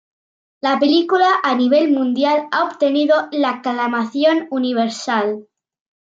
La película a nivel mundial ha obtenido "la aclamación universal".